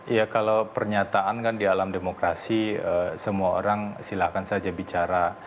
ya kalau pernyataan kan di alam demokrasi semua orang silahkan saja bicara